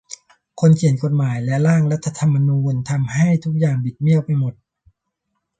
คนเขียนกฎหมายและร่างรัฐธรรมนูญทำให้ทุกอย่างบิดเบี้ยวไปหมด